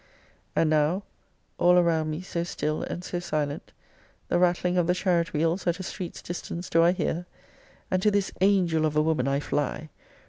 And now, (all around me so still and so silent,) the rattling of the chariot wheels at a street's distance do I hear! And to this angel of a woman I fly!